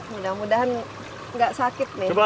mudah mudahan nggak sakit nih